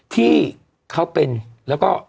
ที่เขาเป็นแล้วก็